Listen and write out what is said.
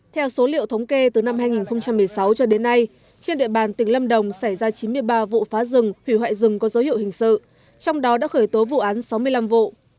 theo số liệu thống kê từ năm hai nghìn một mươi sáu cho đến nay trên địa bàn tỉnh lâm đồng xảy ra chín mươi ba vụ phá rừng hủy hoại rừng có dấu hiệu hình sự trong đó đã khởi tố vụ án sáu mươi năm vụ